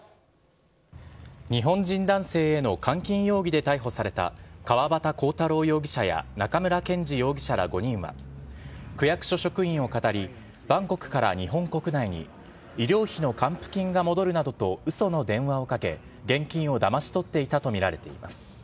日本人男性への監禁容疑で逮捕された、川端浩太郎容疑者や中村健二容疑者ら５人は、区役所職員をかたり、バンコクから日本国内に、医療費の還付金が戻るなどとうその電話をかけ、現金をだまし取っていたと見られています。